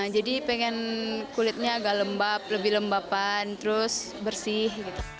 jadi pengen kulitnya agak lembab lebih lembapan terus bersih